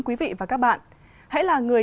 quý vị và các bạn hãy là người